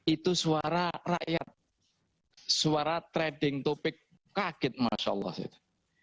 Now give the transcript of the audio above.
itu suara rakyat suara trading topik kaget masya allah